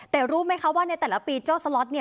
แต่รู้ไหมคะว่าในแต่ละปีเจ้าสล็อตเนี่ย